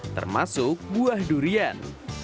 termasuk buah durian